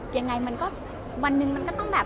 ยังไงมันก็วันหนึ่งมันก็ต้องแบบ